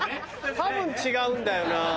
多分違うんだよな。